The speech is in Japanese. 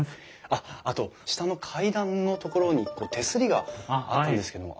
あっあと下の階段のところに手すりがあったんですけども。